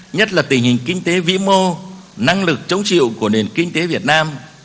nhất là tình hình kinh tế vĩ mô năng lực chống chịu của nền kinh tế việt nam